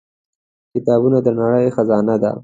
• کتابونه د نړۍ خزانه ده.